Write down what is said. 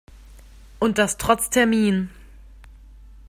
Und das trotz Termin.